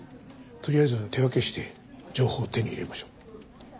とりあえず手分けして情報を手に入れましょう。